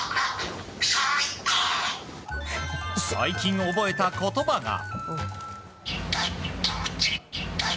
最近覚えた言葉が。